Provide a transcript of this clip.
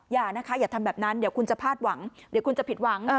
อย่านะคะอย่าทำแบบนั้นเดี๋ยวคุณจะพลาดหวังเดี๋ยวคุณจะผิดหวัง